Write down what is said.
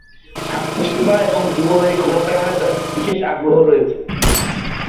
স্বাস্থ্য সেবা এবং যুব নারী ক্ষমতায়নে তার বিশেষ আগ্রহ রয়েছে।